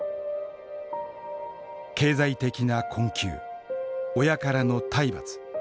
経済的な困窮親からの体罰。